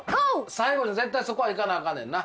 最後に絶対そこは行かなアカンねんな。